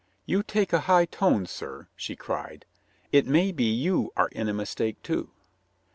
"You take a high tone, sir !" she cried. "It may be you are in a mistake, too."